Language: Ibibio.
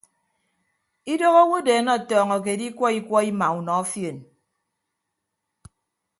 Idooho awodeen ọtọọñọke edikwọ ikwọ ima unọ fien.